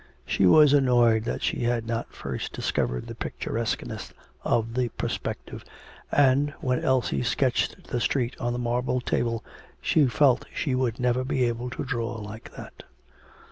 She was annoyed that she had not first discovered the picturesqueness of the perspective, and, when Elsie sketched the street on the marble table, she felt that she would never be able to draw like that.